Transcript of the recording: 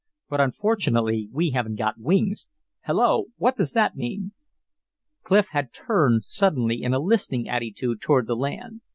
"But, unfortunately, we haven't got wings. Hello! What does that mean?" Clif had turned suddenly in a listening attitude toward the land.